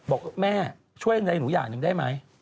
บอกว่าแม่ช่วยในหนูอย่างนึงได้ไหม